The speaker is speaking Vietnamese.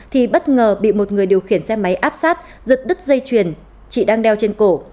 thì bất ngờ bị một người điều khiển xe máy áp sát giật đứt dây chuyền chị đang đeo trên cổ